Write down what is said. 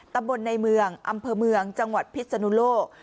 ตำบลในเมืองอำเภอเมืองจังหวัดพิศนุโลก